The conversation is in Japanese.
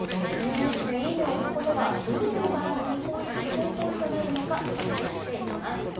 ＳＮＳで、いいねを押すことがどういう場合に違法行為となるのかときほぐしていきます。